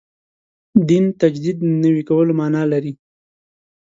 دین تجدید نوي کولو معنا لري.